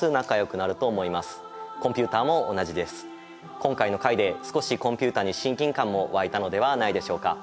今回の回で少しコンピュータに親近感も湧いたのではないでしょうか？